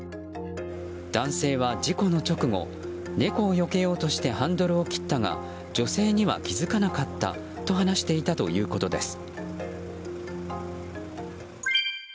男性は事故の直後猫をよけようとしてハンドルを切ったが女性には気付かなかったと話していたということです。